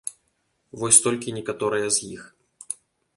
Вось толькі некаторыя з іх.